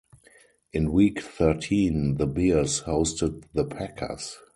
In Week Thirteen, the Bears hosted the Packers.